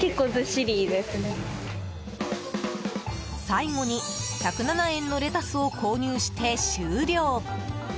最後に１０７円のレタスを購入して終了。